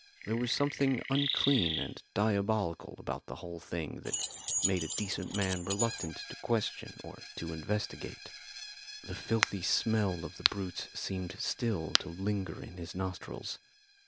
There was something unclean and diabolical about the whole thing that made a decent man reluctant to question or to investigate. The filthy smell of the brutes seemed still to linger in his nostrils.